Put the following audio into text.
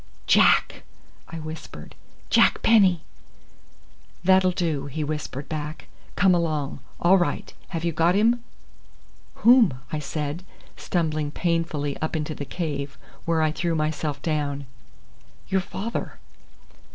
"Jack!" I whispered. "Jack Penny!" "That'll do," he whispered back. "Come along. All right! Have you got him?" "Whom?" I said, stumbling painfully up into the cave, where I threw myself down. "Your father."